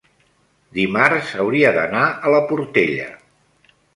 dimarts hauria d'anar a la Portella.